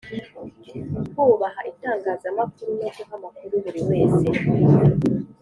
Kubaha itangazamakuru no guha amakuru buri wese